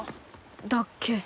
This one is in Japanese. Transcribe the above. だっけ？